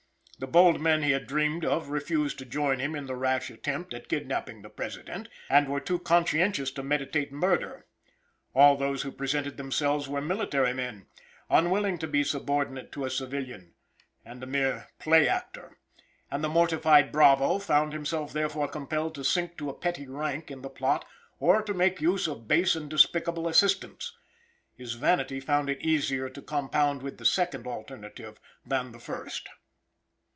The bold men he had dreamed of refused to join him in the rash attempt at kidnapping the President, and were too conscientious to meditate murder. All those who presented themselves were military men, unwilling to be subordinate to a civilian, and a mere play actor, and the mortified bravo found himself therefore compelled to sink to a petty rank in the plot, or to make use of base and despicable assistants. His vanity found it easier to compound with the second alternative than the first.